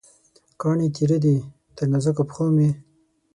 کاڼې تېره دي، تر نازکو پښومې